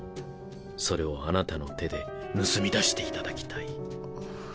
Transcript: それをあなたの手で盗み出していただきたい。